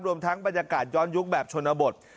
รวมทั้งบรรยากาศย้อนยุคแบบชนบท